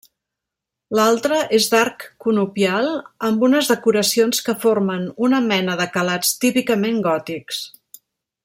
L'altra és d'arc conopial amb unes decoracions que formen una mena de calats típicament gòtics.